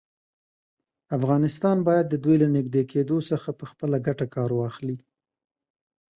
افغانستان باید د دوی له نږدې کېدو څخه په خپله ګټه کار واخلي.